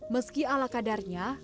meski ala kadarnya